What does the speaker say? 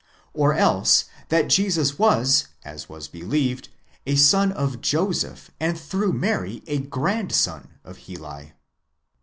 5°:—or else, that Jesus was, as was believed, a son of Joseph, and through Mary a grandson of Heli.